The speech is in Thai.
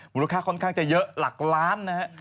มูลค่าค่อนข้างจะเยอะหลักล้านนะฮะ